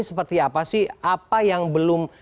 seperti apa sih apa yang belum